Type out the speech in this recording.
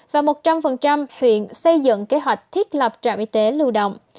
và một trăm linh huyện xây dựng kế hoạch thiết lập trạm y tế lưu động